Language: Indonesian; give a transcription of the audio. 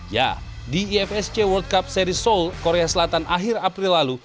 ya di ifsc world cup seri seoul korea selatan akhir april lalu